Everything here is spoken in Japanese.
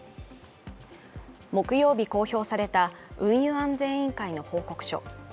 木曜日、公表された運輸安全委員会の報告書。